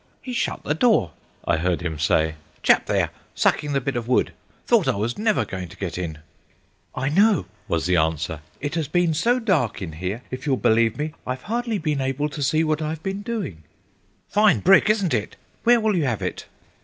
"He shut the door," I heard him say, "Chap there, sucking the bit of wood. Thought I was never going to get in." "I know," was the answer; "it has been so dark in here, if you'll believe me, I've hardly been able to see what I've been doing." "Fine brick, isn't it? Where will you have it?"